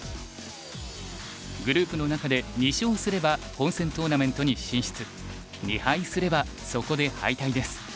グループの中で２勝すれば本戦トーナメントに進出２敗すればそこで敗退です。